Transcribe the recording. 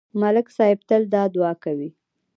ملک صاحب تل دا دعا کوي